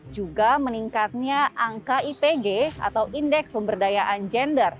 juga meningkatnya angka ipg atau indeks pemberdayaan gender